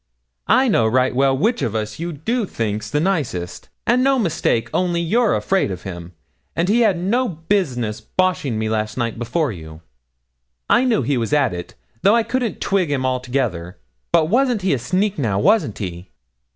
'I know right well which of us you do think's the nicest, and no mistake, only you're afraid of him; and he had no business boshing me last night before you. I knew he was at it, though I couldn't twig him altogether; but wasn't he a sneak, now, wasn't he?'